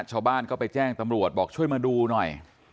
ชาวบ้านก็ไปแจ้งตำรวจบอกช่วยมาดูหน่อย